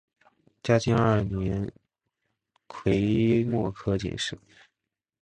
嘉靖二年癸未科进士。